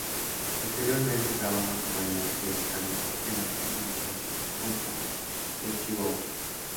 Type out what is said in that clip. Posteriormente trabaja como ayudante de mecánico en la Ford Motor Company de Chihuahua.